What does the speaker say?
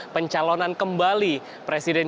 pencalonan kembali presiden